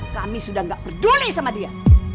kami sudah tidak peduli sama dia